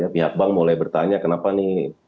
pihak bank mulai bertanya kenapa nih